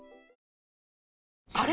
あれ？